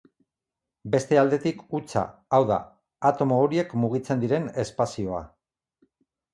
Beste aldetik hutsa, hau da, atomo horiek mugitzen diren espazioa.